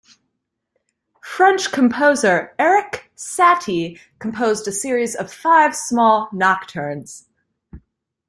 French composer Erik Satie composed a series of five small nocturnes.